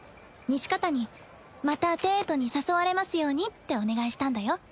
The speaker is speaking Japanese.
西片にまたデートに誘われますようにってお願いしたんだよ。